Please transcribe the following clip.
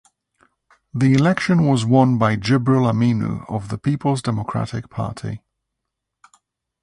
The election was won by Jibril Aminu of the Peoples Democratic Party.